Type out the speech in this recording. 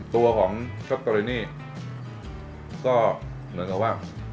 ตัวของชักเกอเรนี่ก็เหมือนกับว่า